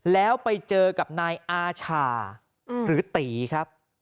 แล้วไปเจอกับนายอาชาหรือตีครับ